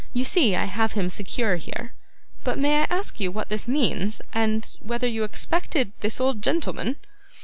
'You see I have him secure here. But may I ask you what this means, and whether you expected this old gentleman?